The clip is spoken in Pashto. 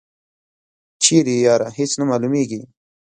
چیری یی یاره هیڅ نه معلومیږي.